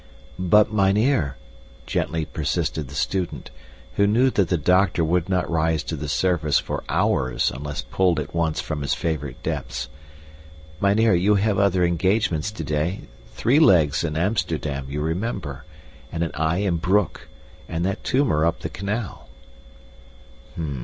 "But mynheer," gently persisted the student, who knew that the doctor would not rise to the surface for hours unless pulled at once from his favorite depths. "Mynheer, you have other engagements today, three legs in Amsterdam, you remember, and an eye in Broek, and that tumor up the canal."